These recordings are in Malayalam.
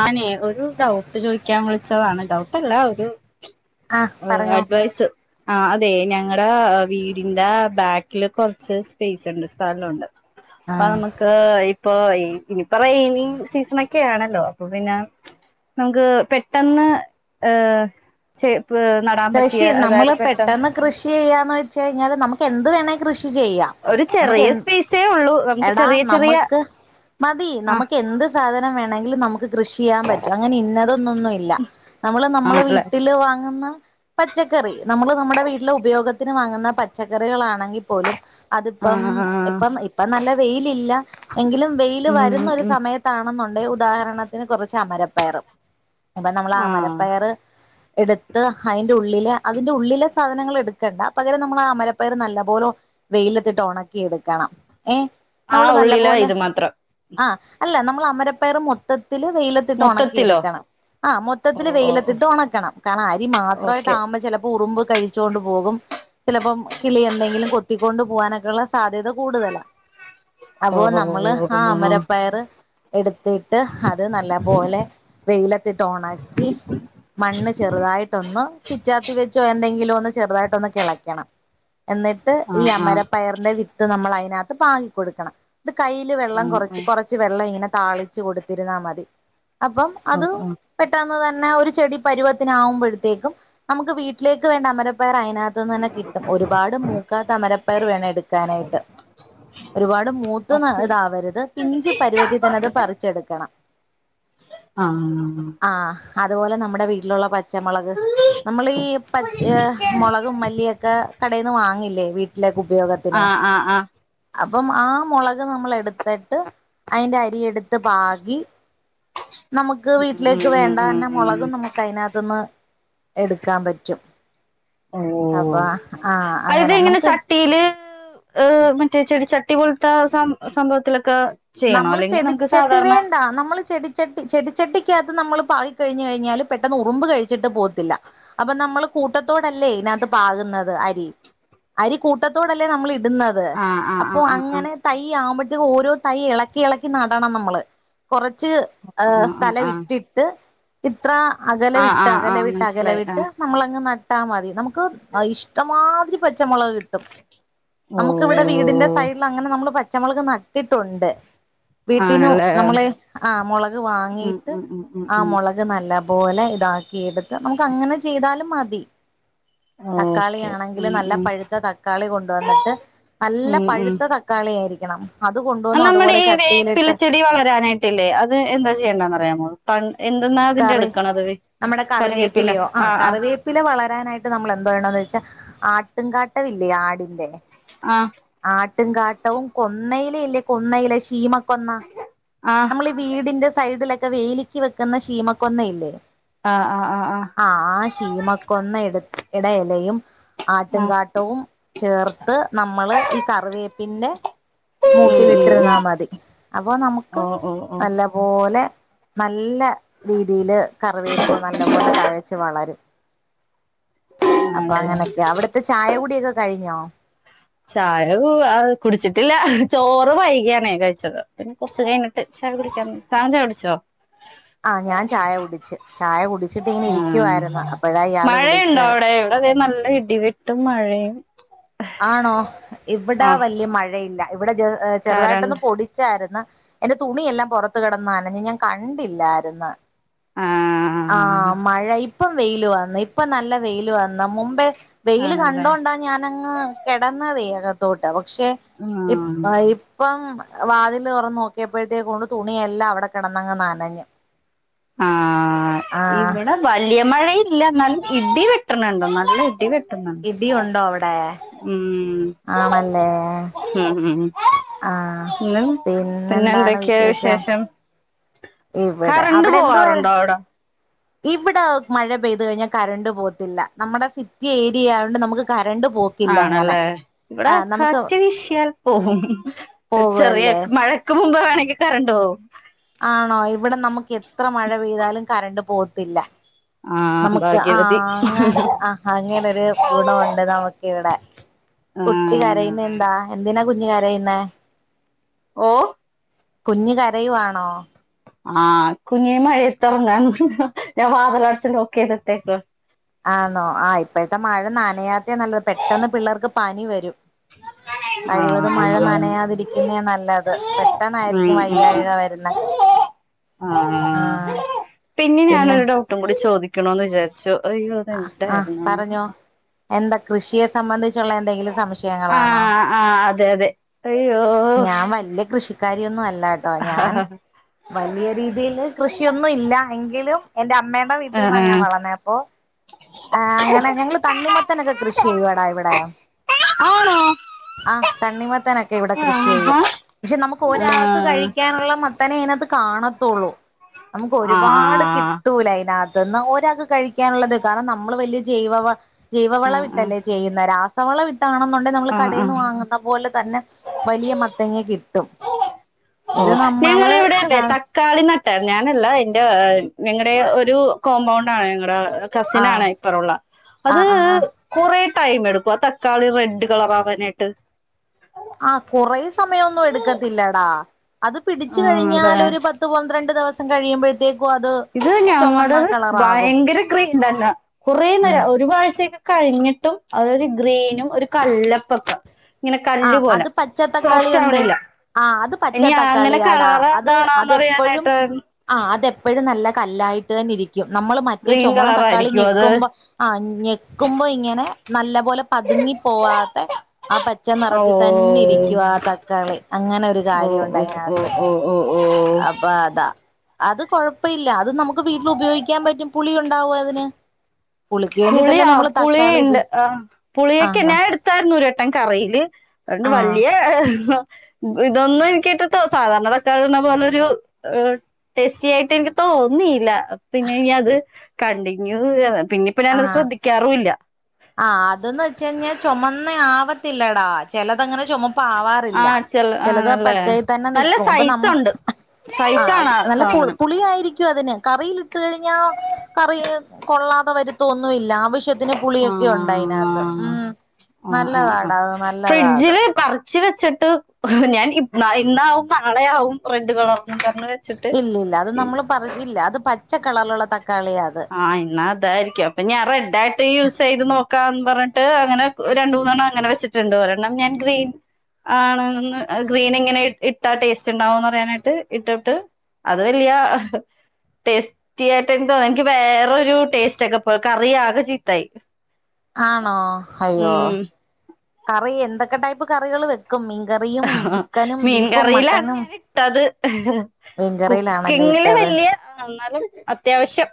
ആന്നേ ഒരു ഡൗട്ട് ചോയിക്കാൻ വിളിച്ചതാണ് ഡൗട്ടല്ല ഒരു ആഹ് ഏഹ് പറഞ്ഞോ അഡ്വൈസ് ആഹ് അതെ ഞങ്ങട വീടിന്റ ബാക്കില് കൊറച്ച് സ്പേസുണ്ട് സ്ഥലൊണ്ട് ആപ്പ ആഹ് നമുക്ക് ഇപ്പൊയി ഇനിപ്പ റയ്നീങ്ങ് സീസണെക്കെ അണല്ലോ. അപ പിന്നെ ച് നമ്ക്ക് പെട്ടെന്ന് ഏഹ് ചെ ഇപ്പ് നടാൻ പറ്റിയാ അതായത് പെട്ടെന്ന്. കൃഷിയെയ്യാന്ന് വെച്ച് കഴിഞ്ഞാല് നമുക്ക് എന്ത് വേണേ കൃഷി ചെയ്യാ ഒരു നമക്ക് ചെറിയ എന്ത്‌ സ്പേസേ ഉള്ളൂ നമുക്ക് എടാ ചെറിയ ചെറിയ നമ്മക്ക് മതി ആ നമ്മക്ക് എന്ത് സാധനം വേണെങ്കിലും നമ്മക്ക്. കൃഷി ചെയ്യാൻ പറ്റും അങ്ങനെ ഇന്നതൊന്നൊന്നുല്ല നമ്മള് നമ്മളെ ആണല്ലേ വീട്ടില് വാങ്ങുന്ന പച്ചക്കറി നമ്മെള് നമ്മുടെ വീട്ടിലെ ഉപയോഗത്തിന് വാങ്ങുന്ന പച്ചക്കറികളാണെങ്കി പോലും. അതിപ്പം ആഹ് ആഹ് ഇപ്പം ഇപ്പം നല്ല വെയിലില്ല എങ്കിലും വെയില് ഉം വരുന്ന ഒരു ഉം സമയത്ത് കാണുന്നുണ്ടേ ഉദാഹരണത്തിന് കൊറെച്ച് അമരപ്പയറ് അപ്പ നമ്മെള ആ അമരപ്പയറ്. എടുത്ത് അതിൻ്റെ ഉള്ളിലെ, അതിന്റെ ഉള്ളിലെ സാധനങ്ങൾ എടുക്കണ്ട. പകരം നമ്മൾ ആ അമരപ്പയർ നല്ല പോലെ വെയിലത്തിട്ട് ഒണക്കി എട്ക്കണം ഏ? ആ അവള് നല്ല ഉള്ളില പോലെ ഇത് മാത്രം ആഹ അല്ല നമ്മൾ അമര പയറ് മൊത്തത്തില് വെയില ഒണക്കി മൊത്തത്തിലോ എടുക്കണം ആഹ് ഓ മൊത്തത്തിൽ ഓ വെയിലത്തിട്ട് ഉണക്കണം കാരണം അരി മാത്ര ഓക്കെ പ ചെലപ്പോ ഉറുമ്പ് കഴിച്ചോണ്ട് പോകും ചിലപ്പം കിളി എന്തെങ്കിലും കൊത്തിക്കൊണ്ട് പോകാനൊക്കെള്ള സാധ്യത കൂടുതലാ. ഓ അപ്പൊ നമ്മള് ആഹ് ഓ അമരപ്പയറ് എട് ത്തിട്ട് അത് നല്ല പോലെ വെയിലത്തിട്ട് ഒണക്കി മണ്ണ് ചെറ്തായിട്ടൊന്ന് പിച്ചാത്തി വെച്ചു തോ എന്തെങ്കിലും ഒന്ന് ചെറുതായിട്ടൊന്ന് കെളക്കണം എന്നിട്ട് ഈ ആഹ് ആഹ് അമരപ്പയറിന്റെ വി ത്ത് നമ്മൾ അതിനകത്ത് പാകി കൊടുക്കണം ഇത് കയ്യില് വെള്ളം ആഹ് കൊറച്ച് കൊറ ച്ചി വെള്ളം ഇങ്ങനെ താളിച്ചു കൊടുത്തിരുന്നാ മതി അപ്പം ആഹ് അത് ആഹ് പെട്ടെന്ന് തന്നെ ഒരു ചെടി പരുവത്തിന് ആവുമ്പഴത്തേക്കും നമുക്ക് വീട്ടിലേക്ക് വേണ്ട അമരപ്പയർ അതിനക ഇത് ന്നന്നെ കിട്ടും ഒരുപാട് മൂക്കാത്ത അമരപ്പയർ വേണം എടുക്കാനായിട്ട് ഒരുപാട് മൂത്ത് ന ഓക്കെ ഇതാവരുത് പിഞ്ചു പരുവത്തിൽ തന്നെ അത് പറിച്ചെടുക്കണം ആഹ് ആഹ് അതുപോലെ നമ്മടെ വീട്ടിലുള്ള പച്ചമുളക് നമ്മള് ഈ പച് ഏ മൊളകും മല്ലിയെക്കെ കടെന്ന് വാങ്ങില്ലേ വീട്ടിലേക്ക് ഉപയോഗത്തിന് ആഹ് ആഹ് ആഹ് അപ്പം ആഹ് മുളക് നമ്മൾ എടുത്തിട്ട് അയ്ന്റെ അരി എടുത്ത് പാകി നമുക്ക് ഉം വീട്ടിലേക്ക് ഉം ഉം വേണ്ടതന്നെ ഉം മൊളകും നമുക്ക് അയിനാത്തുന്ന് എടുക്കാൻ പറ്റും അപ്പോ ഓ ആഹ് അത് അങ്ങനെ ഇങ്ങനെ നമുക്ക് ചട്ടിയില് ഈഹ് മറ്റേ ചെടിച്ചട്ടി പോലത്തെ സം സംഭവത്തിലൊക്കെ ചെയ്യണോ നമ്മള് അല്ലെങ്കിൽ നമുക്ക് ചെടിച്ചട്ടി സാധാരണ വേണ്ട നമ്മള് ചെടി ചട്ടി ചെടിച്ചട്ടിക്കകത്ത് നമ്മള് പാകി കഴിഞ് കഴിഞ്ഞാല് പെട്ടെന്ന് ഉറുമ്പ് കഴിച്ചിട്ട് പോകത്തില്ല അപ്പൊ നമ്മള് കൂട്ടത്തോടല്ലേ ഇതിനകത്ത് പാകുന്നത് അരി അരി കൂട്ടത്തോടല്ലേ നമ്മൾ ഇട്ന്നത് ആഹ് ആഹ് അപ്പൊ ആഹ് അങ്ങനെ തൈ ആവുമ്പഴ്ത്തേക്കും ഓരോ തൈ എളക്കി എളക്കി നടണം നമ്മള് കൊറച്ച് ഏഹ് ആഹ് ആഹ് ആഹ് സ്ഥലം ആഹ് ഇട്ടിട്ട് ഇത്ര ആഹ് ആഹ് അകലവിട്ട് ആഹ് ആഹ് അകലവിട്ട് മനസ്സിലായി അകലവിട്ട് ആഹ് നമ്മളങ്ങ് ന നട്ടാ മതി നമുക്ക് ഇഷ്ടമാതിരി പച്ചമുളക് കിട്ടും നമുക്ക് ഇവിടെ വീടിന്റെ സൈഡിൽ അങ്ങനെ നമ്മള് പച്ചമുളക് നട്ടിട്ടുണ്ട് വീട്ടീന്ന് ആണല്ലേ നമ്മള് ആ മുളക് ഉം വാങ്ങിയിട്ട് ഉം ഉം ഉം ആ ഉം മുള നല്ല പോലെ ഇതാക്കി എട്ത്ത് മ്ക്ക അത് അങ്ങനെ ചെയ്താലും മതി. തക്കാളി ഓക്കെ ആണെങ്കിൽ ഉം നല്ല ഉം പഴുത്ത തക്കാളി കൊണ്ടുവന്ന്ട്ട് നല്ല ഉം പഴുത്ത ത കളിയായിരിക്കണം അ അല്ല മ്മടെ ഈ വേപ്പിലച്ചെടി വളരാനായിട്ടില്ലേ അത് എന്താ ചെയ്യേണ്ടന്നറിയാമോ തൺ എന്തെന്നാ അതിന്റെ കറി എടുക്കണത് കറിവേപ്പില ആ ആ പ്പില വളരാനായിട്ട് നമ്മളെന്ത്‌ ചെയ്യണംന്ന് വെച്ചാ ആട്ടും കാട്ടല്ലേ ആടിന്റെ ആഹ് ആട്ടും കാട്ടവും കൊന്നയില ഇല്ലേ കൊന്നയില ശീമക്കൊന്ന ആഹ് നമ്മളീ വീടിന്റെ സൈഡിലൊക്കെ വേലിക്ക് വെക്കുന്ന ശീമക്കൊന്ന ഇല്ലേ ആഹ് ആഹ് ആഹ് ആഹ് ആ ശീമ കൊന്ന എടത് എടെ എലയും ആ ആട്ട്ങ്ങാട്ടവും ചേർത്ത് നമ്മള് ഈ കറിവേപ്പിന്റെ ഉം ഉം മൂട്ടിലിട്ട്ര്ന്നാ ഉം മതി അപ്പൊ നമുക്ക് ഓ ഓ ഓ നല്ല പോലെ നല്ല രീതിയില് കറിവേപ്പ് നല്ല പോലെ തഴച്ച് വളരും അപ്പൊ ആണല്ലേ അങ്ങനൊക്കെയാ അവിടുത്തെ ചായ കുടിയൊക്കെ കഴിഞ്ഞോ? ചായ ആഹ് കുടിച്ചിട്ടില്ല ചോറ് വൈകിയാണേ കഴിച്ചത് പിന്നെ കുറച്ചു കഴിഞ്ഞ് ട്ട് ചായ കുടിക്കാന്ന്‌ താൻ ചായ കുടിച്ചോ? ആഹ് ഞാൻ ചായ കുടിച്ച് ചായ കുടിച്ചിട്ട് ഇങ്ങനെ ഇരിക്കുവായിരുന്നു അപ്പോഴാ ഇയാള് വിളിച്ച് ണ്ടോ അവിടെ ഇവിടെ ദേ നൽ ഇടിവെട്ടും മഴയും ആണോ ഇവിടെ ആ വലിയ മഴയില്ല ഇവിടെ ജ് ഏഹ് ചെറുതായിട്ടൊന്ന് കരണ്ട് പൊടി ച്ചായിരുന്ന് എന്റെ തുണിയെല്ലാം പുറത്ത് കിടന്ന് നനഞ്ഞ് ഞാൻ കണ്ടില്ലായിരുന്ന് ആ ആഹ് മഴ ഇപ്പം വെയില് വന്ന് ഇപ്പൊ നല്ല വെയില് വന്ന് മുമ്പേ വെയില് ആണല്ലേ കണ്ടോണ്ടാ ഞാനങ്ങ് കിടന്നതേ അകത്തോട്ട് പക്ഷേ ആഹ് ഇപ്പ ഇ ഇപ്പം വാതില് തുറന്ന് നോക്കിയപ്പോഴത്തേക്കുണ്ട് തുണിയെല്ലാം അവിടെ കിടന്നങ്ങ് നനഞ്ഞ് ആഹ് ആഹ് ഇവിടെ വലിയ മഴയില്ല എന്നാലും ഇടി വെട്ടണുണ്ട് നല്ല ഇടി വെട്ട് ഇടി ഉണ്ടോ അവിടെ ഉം ആണല്ലേ ഉം ഉം ആഹ് പിന്നെ പിന്നെ എന്തൊക്കെയാ വിശേഷം? ഇവിടെ കറന്റ് അവിടെ എന്തുവായിര് പോവാറുണ്ടോ അവിടെ? ഇവിടെ മഴ പെയ്ത് കഴിഞ്ഞാൽ കറണ്ട് പോകത്തില്ല നമ്മുടെ സിറ്റി ഏരിയായതുകൊണ്ട് നമ്മുക്ക് കറണ്ട് പോ ആണല്ലേ ഇവിടെ കാറ്റ് വീശിയാൽ പോകും ചെറിയ പോകല്ലേ മഴക് ക്ക് മുമ്പ് വേണമെങ്കിൽ കറണ്ട് പോവും ആണോ ഇവിടെ നമ്മുക്ക് എത്ര മഴ പെയ്താലും കറണ്ട് പോത്തില്ല ആഹ് നമ്മുക്ക് ഭാഗ്യവതി ആഹ് അങ്ങനെ ആഹ് അങ്ങനൊരു ഗുണമുണ്ട് നമ്മുക്ക് ഇവിടെ കുട്ടി കരയുന്ന ആഹ് എന്താ എന്തിനാ കുഞ്ഞ് കരയുന്നെ? ഓ കുഞ്ഞ് കരയുവാണോ? ആഹ് കുഞ്ഞിന് മഴയത്തിറങ്ങാൻ ഞാൻ വാതിലടച്ച് ലോക്ക് ചെയ്തിട്ടേക്കുവാ ആന്നോ ആഹ് ഇപ്പോഴത്തെ മഴ നനയാത്തെയാ നല്ലത് പെട്ടെന്ന് പിള്ളാർക്ക് പനി വരും [unintelligible] കഴിവതും മഴ ആഹ് ആഹ് നനയാതിരിക്കുന്നേ നല്ലത് ഉം പെട്ടെന്നായിരിക്കും ഉം വയ്യാഴിക വരുന്നേ [inaudible] ആഹ് പിന്നെ ഞാനൊരു ഡൗട്ടും കൂടി ചോദിക്കണന്ന് വിചാരിച്ചു അയ്യോ അത് ആഹ് എന്തായിരുന്നെന്നാ പറഞ്ഞോ എന്താ കൃഷിയ സംബന്ധിച്ചുള്ള എന്തെങ്കിലും സംശയങ്ങളാണോ ആഹ് ആഹ് അതെ അതെ അയ്യോ ഞാൻ വല്യ കൃഷി കാരിയൊന്നും അല്ലാട്ടോ ഞാൻ വലിയ രീതിയില് കൃഷിയൊന്നും ഇല്ല എങ്കിലും എന്റെ അമ്മേടെ വീട്ടിന്നാ ഞാൻ ആഹ് വളർന്നെ അപ്പോ ആഹ് അങ്ങനെ ഞങ്ങള് തണ്ണിമത്തനൊക്കെ കൃഷി ചെയ്യുടാ ഇവിടെ ആണോ ആഹ് തണ്ണിമത്തനൊക്കെ ഇവിടെ കൃഷി ചെയ്യും ആഹാ പക്ഷെ നമ്മുക്ക് ആഹ് ഒരാൾക്ക് കഴിക്കാനുള്ള മത്തനേ അതിനകത്ത് കാണത്തുള്ളൂ നമ്മുക്ക് ആഹ് ഒരുപാട് ആഹ് കിട്ടൂല അതിനകത്ത്ന്ന് ഒരാൾക്ക് കഴിക്കാനുള്ളത് കാരണം നമ്മള് വലിയ ജൈവ ജൈവവള ആഹ് ഇട്ടല്ലേ ചെയ്യുന്നെ രാസവള ഇട്ടാണെന്നൊണ്ട് നമ്മള് ആഹ് കടയിന്ന് ആഹ് വാങ്ങുന്ന പോലെ തന്നെ വലിയ മത്തങ്ങ കിട്ടും ഇത് നമ്മള് ആഹ് [unintelligible] കാളിനട്ടാ ഞാനല്ല എന്റെ ഏഹ് ഞങ്ങടെ ഒരു കോമ്പൗണ്ടാണ് ഞങ്ങട ഏഹ് കസിനാണെ ആഹ് ഇപ്പറൊള്ള അത് ആഹ് ആഹ് കൊറെ ടൈം എടുക്കും ആ തക്കാളി റെഡ് കളർ ആവാനായിട്ട് ആഹ് കൊറെ സമയൊന്നും എടുക്കത്തില്ലടാ അത് പിടിച്ചു ആണല്ലേ കഴിഞ്ഞാല് ഒരു പത് പത്ത് പന്ത്രണ്ട് ദിവസം കഴിയുമ്പഴ്ത്തേക്കും അത് ഇത് ചുമന്ന ഞങ്ങടത് കളറാകും ഭയങ്കര ക്രീമ്ടെല്ലാ കൊറേ ഉം നേരം ഒരു [unintelligible] കഴിഞ്ഞിട്ടും അതൊരു ഗ്രീനും ഒരു കല്ലപ്പൊക്കെ ഇങ്ങനെ കല്ല് ആഹ് പോലെ അത് പച്ചത്തക്കാളി സോഫ്റ്റ് ഒണ്ട് ആവണില്ല ആഹ് അത് ഇനി അങ്ങനെ പച്ചത്തക്കാളിയാടാ കളർ അത് അതെപ്പഴും അതാണോന്നറിയാനായിട്ട് ആഹ് അതെപ്പഴും നല്ല കല്ലായിട്ട് തന്നെ ഇരിക്കും നമ്മള് മറ്റേ ഗ്രീൻ ചൊമന്ന തക്കാളി കളറായിരിക്കും അത് ഞെക്കുമ്പോ ആഹ് ഞെക്കുമ്പോ ഇങ്ങനെ നല്ല പോലെ പതുങ്ങി പോവാത്ത പച്ച ഓ നെറത്തി തന്നെ ഇരിക്കും ആ തക്കാളി അങ്ങനെ ഒരു ഓ കാര്യൊണ്ട് ഓ അതിനാത്ത് ഓ ഓ ഓ ഓ അപ്പൊ അതാ അത് കൊഴപ്പയില്ലാ അത് നമുക്ക് വീട്ടിൽ ഉപയോഗിക്കാൻ പറ്റും പുളി ഒണ്ടാവും അതിന് പുളിക്ക് വേണ്ടിട്ടല്ലേ പുളിയാ നമ്മള് പുളി തക്കാളി ഉപ ഇണ്ട് ആഹ് പുളിയൊക്കെ ആഹ് ഞാ എടുത്തായിരുന്നു ഒരുവട്ടം കറിയില് അതുകൊണ്ട് ആഹ് വല്യ ഇതൊന്നും എനിക്കെ [unintelligible] സാധാരണ തക്കാളി ഇടുന്ന പോലൊരു ഏഹ് ടേസ്റ്റി ആയിട്ട് എനിക്ക് തോന്നിയില്ലാ ആഹ് പിന്നെ ഇനി അത് കണ്ടിന്യൂ ഏഹ് പിന്നെപ്പ ഞാനത് ആഹ് ശ്രദ്ധിക്കാറുല്ലാ ആഹ് അതെന്ന് വെച്ച് കഴിഞ്ഞാ ചൊമന്ന ആവത്തില്ലടാ ചെലതണ്ട് ചൊമപ്പാവാ ആ ഇല്ലാ ചെല ചെലത് ആണല്ലേ പച്ചയ് തന്നെ നല്ല നിക്കും അപ്പ നമ്മ സൈസുണ്ട് ആഹ് സൈസാണ് ആ നല്ല പു സാധനം പുളിയായിരിക് ക്കും അതിന് കറീലിട്ട് കഴിഞ്ഞാ കറി കൊള്ളാതെ വരുത്തൊന്നുയില്ലാ ആവശ്യ വിശത്തിന് പുളിയൊക്കെ ഒണ്ട് അയിനാത്ത് ആഹ് ഉം ആഹ് നല്ലതാടാ നല്ലതാ അത് ച്ച് വെച്ചിട്ട് ഞാൻ ഇപ് ഇന്നാവും നാളെയാവും റെഡ് കളർന്നും പറഞ്ഞ് വെച്ചിട്ട് ഇല്ല ഇല്ല അത് നമ്മള് പറ ഇല്ല അത് പച്ചക്കളറിലുള്ള തക്കാളിയാ അത് ആഹ് ഇന്നാ അതായിരിക്കും അപ്പൊ ഞാൻ റെഡ് ആയിട്ട് യൂസ് ചെയ്ത് നോക്കാന്ന് പറഞ്ഞിട്ട് അങ്ങനെ രണ്ട് മൂന്നെണ്ണം അങ്ങനെ വെച്ചി ച്ചിട്ട്ണ്ട് ഒരെണ്ണം ഞാൻ ഗ്രീൻ ആണ്ന്ന് ഗ്രീൻ ഇങ്ങനെ ഇ ഇട്ടാ ടേസ്റ്റ് ഇണ്ടാവോന്ന് അറിയാനായിട്ട് ഇട്ടട്ട് അത് വെല്യ ടേസ്റ്റി ആയിട്ടെന്തോ [unintelligible] എനിക്ക് വേറൊരു ടേസ്റ്റ് ഒക്കെ പോലെ കറി ആകെ ചീത്തായി ആണോ അയ്യോ ഉം കറി എന്തൊക്കെ ടൈപ്പ് കറികള് വെക് ആഹ് മീൻകറിയിലാണ് മട്ടനും ഞാൻ ഇട്ടത് മീൻകറിയിലാണല്ലേ കുക്കിങ്ങില് ഇട്ടത് വെല്യ എന്നാലും അത്യാവശ്യം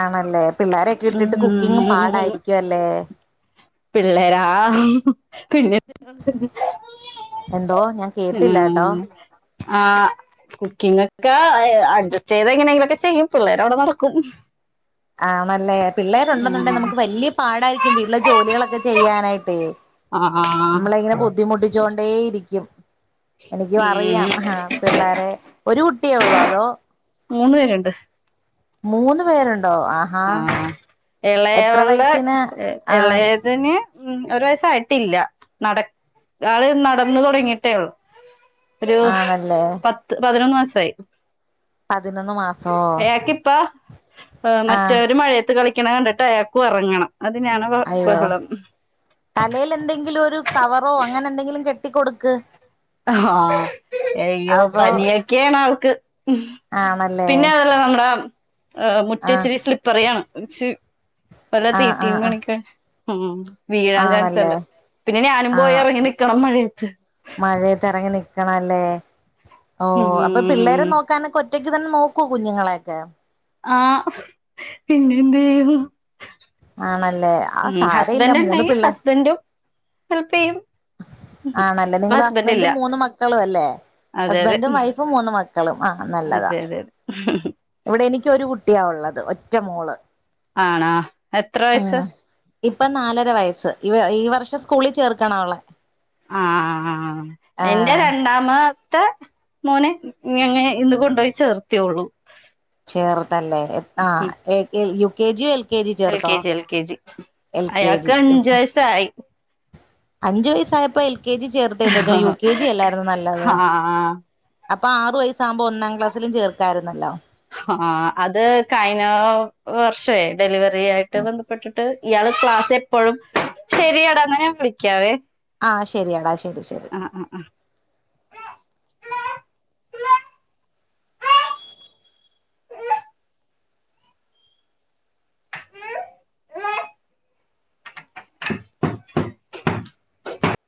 ആണല്ലേ പിള്ളേരെയൊക്കെ ഇട്ടിട്ട് കുക്കിംഗ് ഉം പാടായിരിക്കും അല്ലേ പിള്ളേരാ ആഹ് പിന്നെ എന്തോ ഞാൻ കേട്ടില്ലാട്ടോ ആഹ് ആഹ് കുക്കിങ്ങൊക്കെ അയ് അഡ്ജസ്റ്റ് ചെയ്ത് എങ്ങനെയെങ്കിലൊക്കെ ചെയ്യും പിള്ളേരവിടെ നടക്കും ആണല്ലേ പിള്ളേരൊണ്ടെന്നുണ്ടെ ഉം നമുക്ക് വല്യ പാടായിരിക്കും വീട്ടിലെ ജോലികളൊക്കെ ചെയ്യാനായിട്ടെ ആ ആ നമ്മളെ ഇങ്ങനെ ബുദ്ധിമുട്ടിച്ചോണ്ടേ ഇരിക്കും എനിക്കും ഉം അറിയാം ആഹ് പിള്ളേരെ ഒരു കുട്ടിയേ ഒള്ളോ അതോ? മൂന്ന് പേരുണ്ട് മൂന്ന് പേരൊ ആഹ് എത്ര എളയവളുടെ വയസ്സിന് ഏ ആ എളെ തിന് ഉം ഒരു വയസ്സായിട്ടില്ലാ നട ആള് നടന്ന് തൊടങ്ങിട്ടേള്ളു ഒരു ആണല്ലേ പത്ത് പതിനൊന്ന് മാസായി. പതിനൊന്ന് മാസോ? പ്പ ആ മറ്റവര് മഴയത്ത് കളിക്ക്ണ കണ്ടിട്ട് അയാക്കു എറങ്ങണം, അതിനാണ് അയ്യോ ബഹളം തലൽ എന്തെങ്കിലും ഒരു കവറോ അങ്ങനെ എന്തെങ്കിലും കെട്ടികൊട്ക്ക് ആഹ് അയ്യോ അപ്പൊ പനിയൊക്കെയാണ് അവക്ക് ഉം ആണല്ലേ പിന്നെ അതല്ല നമ്മുടെ ആഹ മുറ്റച്ചിരി സ്ലിപ്പറിയാണ്, ച് പല ആഹ് ആഹ് തീറ്റിയും ആഹ് കണിക്ക ഉം വീഴാൻ ആണല്ലേ ചാൻസ്ണ്ട്, പിന്നെ ഞാനും പോയി ഇറങ്ങി നിക്കണം മഴയത്ത് മഴയത്തിറങ്ങി നിക്കണല്ലേ ഓ അപ്പ പിള്ളേരെ ഉം നോ ക്കാൻ ഒറ്റയ്ക്ക് തന്നെ നോക്കോ കുഞ്ഞുങ്ങളെയൊക്കെ? ആഹ് പിന്നെന്തേയ്യും ആണല്ലേ ആ ഉം സാരയില്ല ഹസ്ബൻഡ് മൂന്ന് ഇണ്ടക്കി പിള്ളേ ഹസ്ബൻഡും ഹെൽപ്പയ്യും ആണല്ലേ, നിങ്ങള് ഹസ്ബൻഡും മൂന്നു മക്കളു അല്ലേ? അതെ അതെ ഹസ്ബൻഡും, വൈഫും, മൂന്നു മക്കളും ആഹ് നല്ലതാ. അതെ അതെ അതെ ഇവടെ എനിക്ക് ഒരു കുട്ടിയാള്ളത് ഒറ്റ മോള്. ആണോ എത്ര വയസ്സാ ഇപ്പ നാലര വയസ്സ് ഇ ഈ വർഷം സ്കൂളി ചേർക്കണോളെ. ആഹ് ആഹ് ഇന്റെ ആഹ് രണ്ടാമത്തെ മോനെ ഞങ്ങേ ഇന്ന് കൊണ്ടോയി ചേർത്തിയോള്ളു. ചേർതല്ലേ എ ആഹ് A K U K G ല് എൽ കെ ജി എൽ ചേർത്തോ? K G L L K G സായി അഞ്ചു വയസായപ്പോ എൽ കെ ജി ചേർത്ത് യു ആഹ് കെ ജി അല്ലായിരുന്നു നല്ലത്? ആഹ് അപ്പൊ ആറു വയസ്സ ആകുമ്പോ ഒന്നാം ക്ലാസിലും ചേർക്കാരുന്നല്ലോ? ആഹ് അത് കഴിഞ്ഞ വർഷേ ഡെലിവറി ആയിട്ട് ബന്ധപ്പെട്ടിട്ട് ഇയാള് ക്ലാസ് എപ്പോഴും ശരിയാടന്ന് ഞാൻ വിളിക്കാവേ. ആഹ് ശരിയടാ ശരി ശരി. ആഹ് ആഹ് ആഹ് [inaudible]